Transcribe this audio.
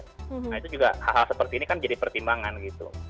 nah itu juga hal hal seperti ini kan jadi pertimbangan gitu